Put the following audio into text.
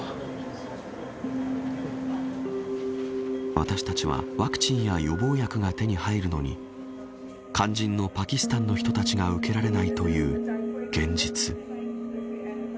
私たちはワクチンや予防薬が手に入るのに肝心のパキスタンの人たちが受けられないという現実。